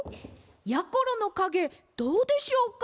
やころのかげどうでしょうか？